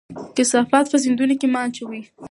کثافات په سیندونو کې مه اچوئ.